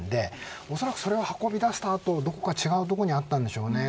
おそらくそれを運び出した後どこか違う所にあったんでしょうね。